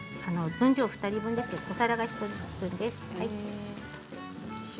分量は２人分ですけれどもお皿は１人分です。